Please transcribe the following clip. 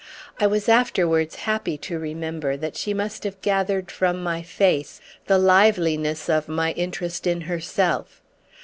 I was afterwards happy to remember that she must have gathered from my face the liveliness of my interest in herself.